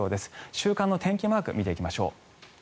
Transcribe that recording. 週間の天気マーク見ていきましょう。